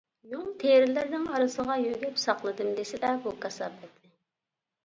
يۇڭ-تېرىلەرنىڭ ئارىسىغا يۆگەپ ساقلىدىم دېسىلە بۇ كاساپەتنى.